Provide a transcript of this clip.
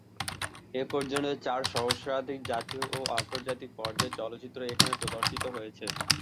এ পর্যন্ত চার সহস্রাধিক জাতীয় ও আন্তর্জাতিক পর্যায়ের চলচ্চিত্র এখানে প্রদর্শিত হয়েছে।